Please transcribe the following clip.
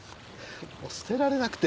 捨てられなくて。